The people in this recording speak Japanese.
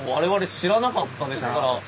知らなかったですね。